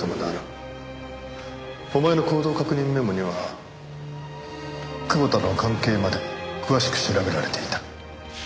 お前の行動確認メモには久保田との関係まで詳しく調べられていた。